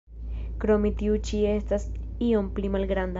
Krome tiu ĉi estas iom pli malgranda.